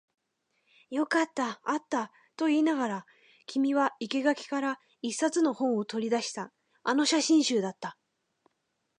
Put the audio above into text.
よかった、あったと言いながら、君は生垣から一冊の本を取り出した。あの写真集だった。